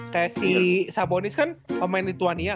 kayak si sabonis kan pemain lithuania kan